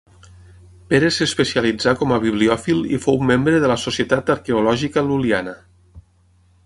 Pere s’especialitzà com a bibliòfil i fou membre de la Societat Arqueològica Lul·liana.